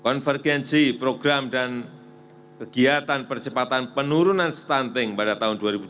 konvergensi program dan kegiatan percepatan penurunan stunting pada tahun dua ribu dua puluh